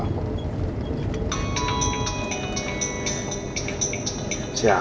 sam gak mau nurut sih sama aku